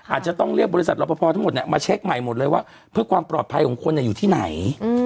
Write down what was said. อาจจะต้องเรียกบริษัทแรบประพอทั้งหมดมาเช็คใหม่ว่าเครื่องความปลอดภัยส่วนที่ไหน